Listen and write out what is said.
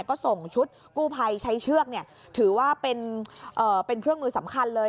ก็ส่งชุดกู้ภัยใช้เชือกถือว่าเป็นเครื่องมือสำคัญเลย